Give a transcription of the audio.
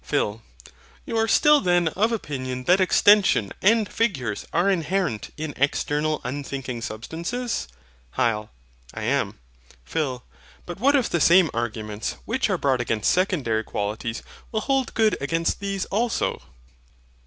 PHIL. You are still then of opinion that EXTENSION and FIGURES are inherent in external unthinking substances? HYL. I am. PHIL. But what if the same arguments which are brought against Secondary Qualities will hold good against these also?